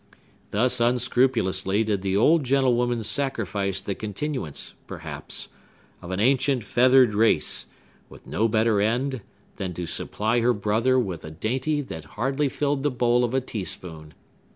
Thus unscrupulously did the old gentlewoman sacrifice the continuance, perhaps, of an ancient feathered race, with no better end than to supply her brother with a dainty that hardly filled the bowl of a tea spoon!